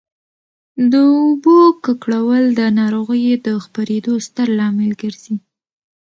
د اوبو ککړول د ناروغیو د خپرېدو ستر لامل ګرځي.